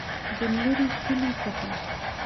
دلیري کلي څخه